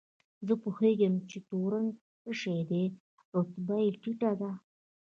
زه پوهېږم چې تورن څه شی دی، رتبه یې ټیټه ده.